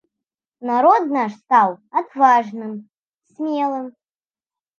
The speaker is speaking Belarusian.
Народ наш стаў адважным, смелым.